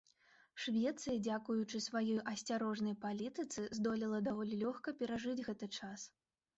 Швецыя дзякуючы сваёй асцярожнай палітыцы здолела даволі лёгка перажыць гэты час.